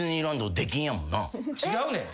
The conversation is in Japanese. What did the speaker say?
違うねん。